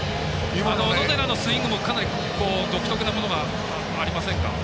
小野寺のスイングも独特なものがありませんか？